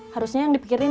harusnya yang dipikirkan